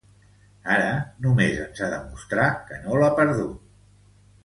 Ara, només ens ha de mostrar que no l'ha perdut.